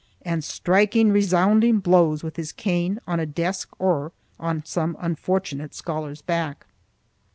and striking resounding blows with his cane on a desk or on some unfortunate scholar's back.